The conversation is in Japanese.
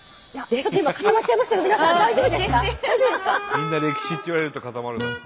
みんな歴史って言われると固まるなあ。